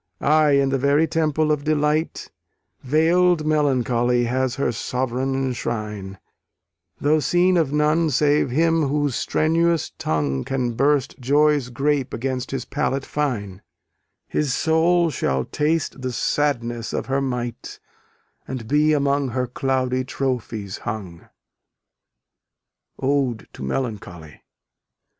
Ay, in the very temple of Delight Veil'd Melancholy has her sovran shrine, Though seen of none save him whose strenuous tongue Can burst Joy's grape against his palate fine; His soul shall taste the sadness of her might, And be among her cloudy trophies hung. _Ode to Melancholy.